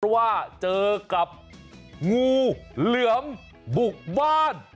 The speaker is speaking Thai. ว่าเจอกับงูเหลือมบุกบ้าน